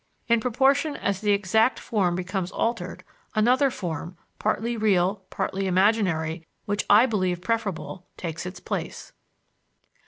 In proportion as the exact form becomes altered, another form, partly real, partly imaginary, which I believe preferable, takes its place."